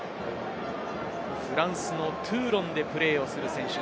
フランスのトゥーロンでプレーする選手。